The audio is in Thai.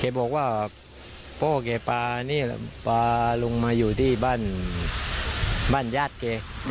เค้าบอกว่าพ่อเค้าป่านี่ป่าลงมาอยู่ที่บ้านบ้านญาติเค้า